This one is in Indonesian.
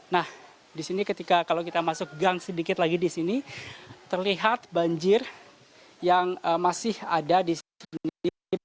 nah di sini ketika kalau kita masuk gang sedikit lagi di sini terlihat banjir yang masih ada di sini